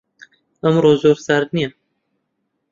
ئەمڕۆ زۆر سارد نییە.